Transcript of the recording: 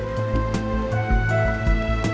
ya siapa itu